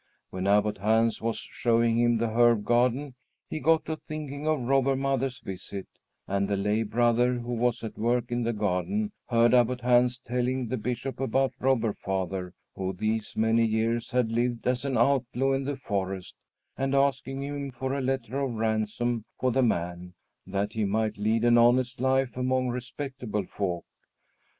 When Abbot Hans was showing him the herb garden, he got to thinking of Robber Mother's visit, and the lay brother, who was at work in the garden, heard Abbot Hans telling the Bishop about Robber Father, who these many years had lived as an outlaw in the forest, and asking him for a letter of ransom for the man, that he might lead an honest life among respectable folk.